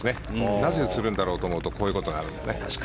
なぜ映るんだろうと思うとこういうことがね。